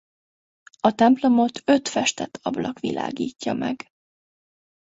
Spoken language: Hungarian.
A templomot öt festett ablak világítja meg.